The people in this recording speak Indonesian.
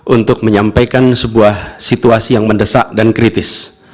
untuk menyampaikan sebuah situasi yang mendesak dan kritis